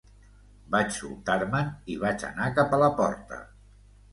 Vaig soltar-me'n i vaig anar cap a la porta.